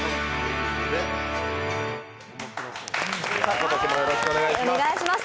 今年もよろしくお願いします。